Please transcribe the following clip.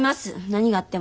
何があっても。